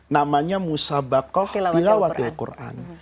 namanya musabakoh tilawatil quran